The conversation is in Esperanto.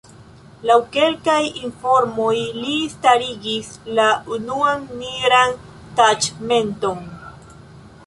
Laŭ kelkaj informoj, li starigis la unuan nigran taĉmenton.